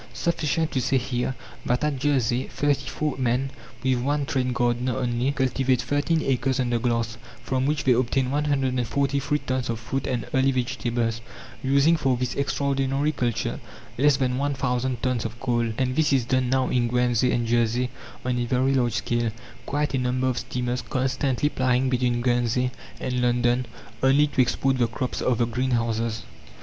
Sufficient to say here, that at Jersey, thirty four men, with one trained gardener only, cultivate thirteen acres under glass, from which they obtain 143 tons of fruit and early vegetables, using for this extraordinary culture less than 1,000 tons of coal. And this is done now in Guernsey and Jersey on a very large scale, quite a number of steamers constantly plying between Guernsey and London, only to export the crops of the greenhouses.